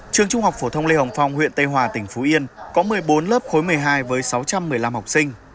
trường trung học phổ thông lê hồng phong huyện tây hòa tỉnh phú yên có một mươi bốn lớp khối một mươi hai với sáu trăm một mươi năm học sinh